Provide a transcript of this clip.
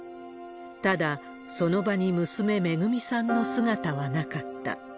ただ、その場に娘、めぐみさんの姿はなかった。